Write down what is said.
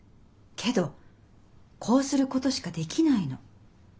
けどこうすることしかできないの。